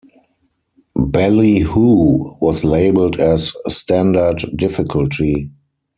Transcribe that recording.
"Ballyhoo" was labeled as "Standard" difficulty.